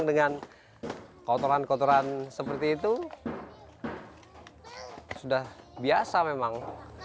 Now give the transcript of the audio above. dengan kotoran kotoran seperti itu sudah biasa memang